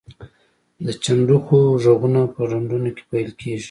د چنډخو غږونه په ډنډونو کې پیل کیږي